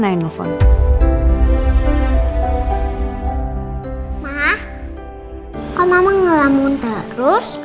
ma kok mama ngelamun terus